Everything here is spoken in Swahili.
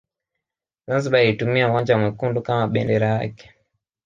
Zanzibar ilitumia uwanja mwekundu kama bendera yake